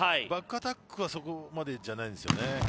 バックアタックがそこまでじゃないんです。